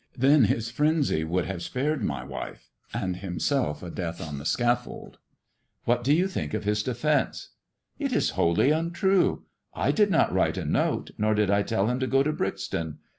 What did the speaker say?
Than his frenzy would have spared my wife, and himself a death on the scaifold." " What do you think of his defence 1 "" It is wholly untrue. I did not write a note, nor did I tell him to go to Brixton.